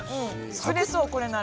作れそう、これなら。